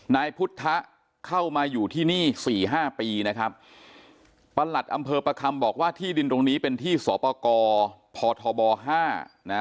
นายพุทธเข้ามาอยู่ที่นี่สี่ห้าปีนะครับประหลัดอำเภอประคำบอกว่าที่ดินตรงนี้เป็นที่สปกรพทบห้านะ